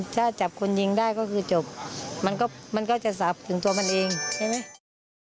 ถ้าจับคนยิงได้ก็คือจบมันก็จะสับถึงตัวมันเองใช่ไหม